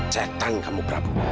setan kamu prabu